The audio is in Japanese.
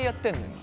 今。